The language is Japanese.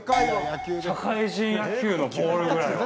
社会人野球のボールぐらいは。